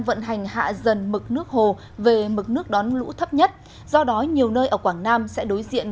vận hành hạ dần mực nước hồ về mực nước đón lũ thấp nhất do đó nhiều nơi ở quảng nam sẽ đối diện